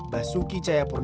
basuki caya purwokala